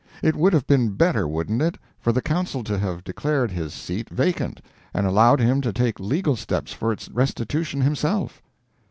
It would have been better, wouldn't it, for the Council to have declared his seat vacant, and allowed him to take legal steps for its restitution himself?